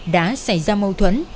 đã xảy ra mâu thuẫn